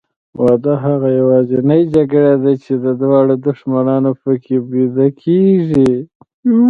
واده هغه یوازینۍ جګړه ده چې دواړه دښمنان پکې بیده کېږي.